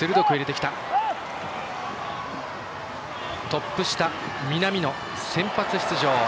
トップ下、南野、先発出場。